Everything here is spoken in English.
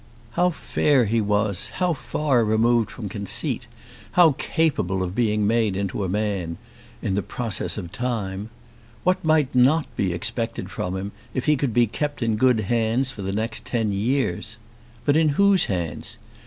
How fair he was, how far removed from conceit, how capable of being made into a man in the process of time! What might not be expected from him if he could be kept in good hands for the next ten years! But in whose hands?